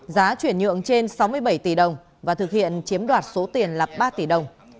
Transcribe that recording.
giá chuyển nhượng trên sáu mươi bảy tỷ đồng và thực hiện chiếm đoạt số tiền là ba tỷ đồng